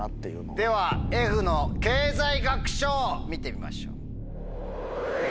ではＦの経済学賞見てみましょう。